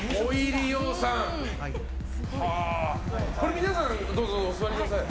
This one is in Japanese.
皆さん、どうぞお座りください。